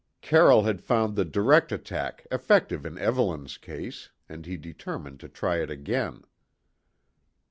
Carroll had found the direct attack effective in Evelyn's case, and he determined to try it again.